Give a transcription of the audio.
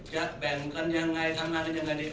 แบ่งกันยังไงทำงานกันยังไงดี